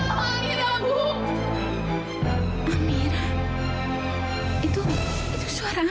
saya ingin melakukan terhadap atas kebo di rumah ini